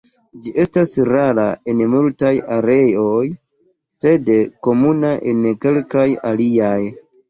Ĝi estas rara en multaj areoj, sed komuna en kelkaj aliaj.